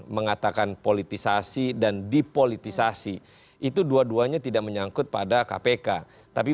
mengatakan politisasi dan dipolitisasi itu dua duanya tidak menyangkut pada kpk tapi